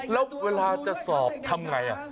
แล้วเวลาจะสอบทำไง